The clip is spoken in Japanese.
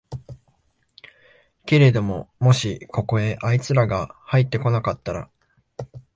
けれどももしここへあいつらがはいって来なかったら、